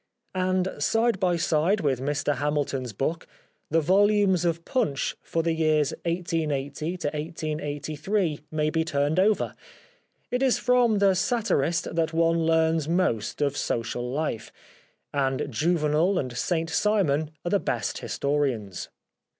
And side by side with Mr Hamilton's book, the volumes of Punch for the years 1880 1883 may be turned over. It is from the satirist that one learns most of social life ; and Juvenal and Saint Simon are the best historians.